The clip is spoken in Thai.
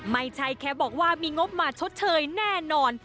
ไม่ใช่แค่บอกว่ามีงบมาชดเชยแน่นอน